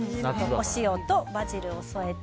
お塩とバジルを添えて。